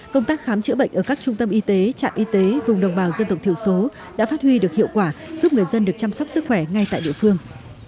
công tác khám chữa bệnh ở các trung tâm y tế trạm y tế vùng đồng bào dân tộc thiểu số đã phát huy được hiệu quả giúp người dân được chăm sóc sức khỏe ngay tại địa phương